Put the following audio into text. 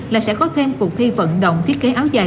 là sẽ có thêm cuộc thi vận động thiết kế áo dài